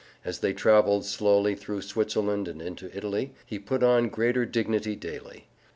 As they traveled slowly through Switzerland and into Italy, he put on greater dignity daily.